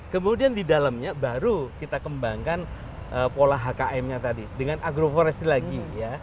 kemudian di dalamnya baru kita kembangkan pola hkm nya tadi dengan agroforesty lagi